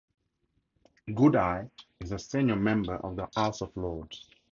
Goudie is a senior member of the House of Lords.